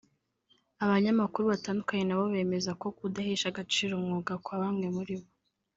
Abanyamakuru batandukanye nabo bemeza ko kudahesha agaciro umwuga kwa bamwe muri bo